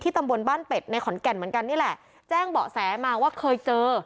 ตำบลบ้านเป็ดในขอนแก่นเหมือนกันนี่แหละแจ้งเบาะแสมาว่าเคยเจอ